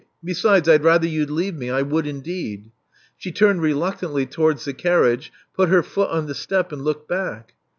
Besides, I'd rather you'd leave me, I would indeed." She ttimed reluctantly towards the carriage; put her foot on the step ; and looked back.